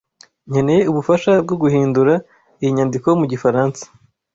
Nkeneye ubufasha bwo guhindura iyi nyandiko mu gifaransa.